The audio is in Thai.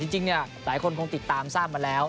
จริงเนี่ยหลายคนติดตามซ่านมาแล้ว